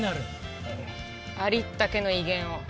ありったけの威厳を。